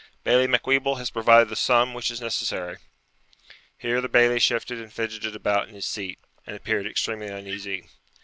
Bailie Macwheeble has provided the sum which is necessary.' Here the Bailie shifted and fidgeted about in his seat, and appeared extremely uneasy.